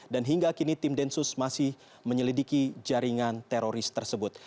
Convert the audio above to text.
dan hingga kini tim densus masih menyelidiki jaringan teroris tersebut